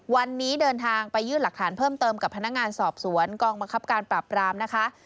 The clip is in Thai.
วันนี้เดินทางไปยื่นหลักฐานเพิ่มเติมกับพนักงานสอบสวนกองบังคับการปราบรามนะคะ